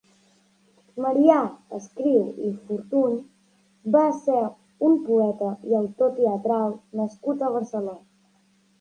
Marià Escriu i Fortuny va ser un poeta i autor teatral nascut a Barcelona.